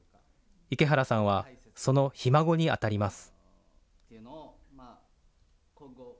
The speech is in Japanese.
池原さんはそのひ孫に当たります。